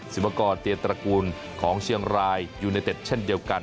มกรเตียตระกูลของเชียงรายยูเนเต็ดเช่นเดียวกัน